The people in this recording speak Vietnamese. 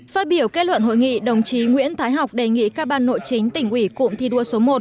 phát biểu kết luận hội nghị đồng chí nguyễn thái học đề nghị các ban nội chính tỉnh ủy cụm thi đua số một